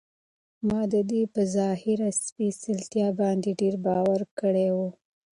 ما د ده په ظاهري سپېڅلتیا باندې ډېر باور کړی و.